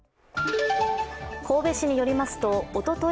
神戸市によりますとおととい